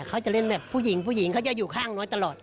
เขาจะเล่นแบบผู้หญิงผู้หญิงเขาจะอยู่ข้างน้อยตลอด